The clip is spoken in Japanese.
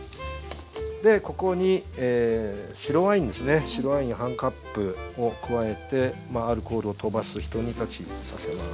でここに白ワインですね白ワイン半カップを加えてアルコールをとばすひと煮立ちさせます。